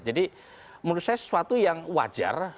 jadi menurut saya sesuatu yang wajar